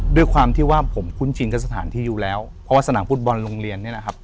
ด้วยความที่ว่าผมคุ้นชินกับสถานที่อยู่แล้วเพราะว่าสนามฟุตบอลโรงเรียนเนี่ยนะครับ